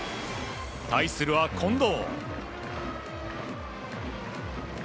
対するは近藤。